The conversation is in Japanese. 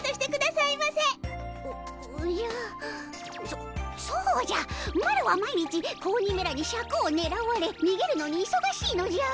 そそうじゃマロは毎日子鬼めらにシャクをねらわれにげるのにいそがしいのじゃ。